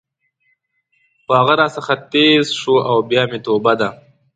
خو هغه راڅخه ټیز شو او بیا مې توبه ده.